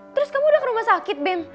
terus kamu udah ke rumah sakit bem